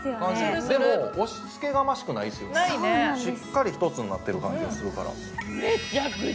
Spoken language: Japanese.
でも、押しつけがましくないですよ、しっかり１つになってる感じがするから。